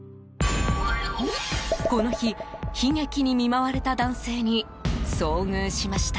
この日、悲劇に見舞われた男性に遭遇しました。